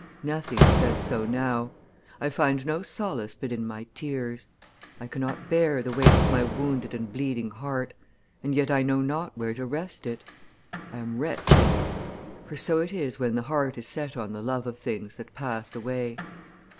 Nothing says so now. I find no solace but in my tears. I cannot bear the weight of my wounded and bleeding heart, and yet I know not where to rest it. I am wretched; for so it is when the heart is set on the love of things that pass away.